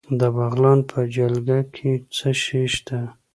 د بغلان په جلګه کې څه شی شته؟